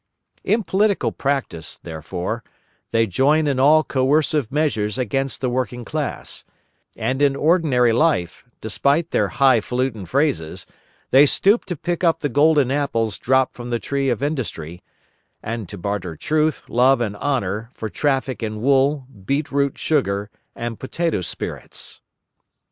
In political practice, therefore, they join in all coercive measures against the working class; and in ordinary life, despite their high falutin phrases, they stoop to pick up the golden apples dropped from the tree of industry, and to barter truth, love, and honour for traffic in wool, beetroot sugar, and potato spirits.